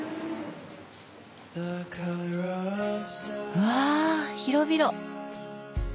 うわ広々！